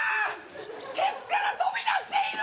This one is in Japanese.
ケツから飛び出している！